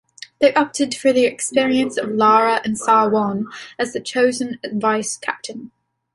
They opted for the experience of Lara and Sarwan was chosen as vice captain.